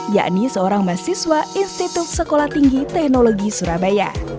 yakni seorang mahasiswa institut sekolah tinggi teknologi surabaya